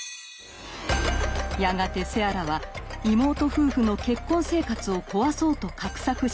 やがてセアラは妹夫婦の結婚生活を壊そうと画策し始めます。